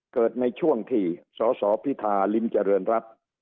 เกิดในช่วงที่สสพิธาริมเจริญรัฐ